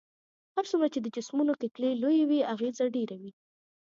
هر څومره چې د جسمونو کتلې لويې وي اغیزه ډیره وي.